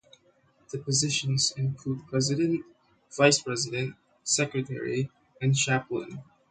The positions include president, vice president, secretary, and chaplain.